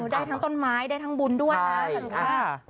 ได้ทั้งต้นไม้ได้ทั้งบุญด้วยค่ะสำหรับคุณค่ะค่ะ